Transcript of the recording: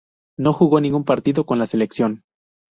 No jugó ningún partido con la selección.